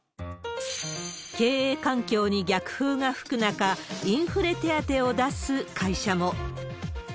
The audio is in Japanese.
経営環境に逆風が吹く中、インフレ手当を出す会社も。